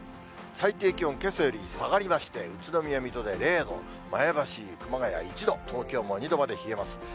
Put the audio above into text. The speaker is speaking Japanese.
最低気温、けさより下がりまして、宇都宮、水戸で０度、前橋、熊谷１度、東京も２度まで冷えます。